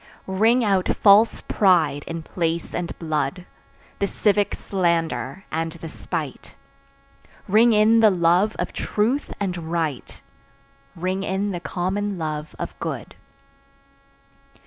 Ring out false pride in place and blood, The civic slander and the spite; Ring in the love of truth and right, Ring in the common love of good.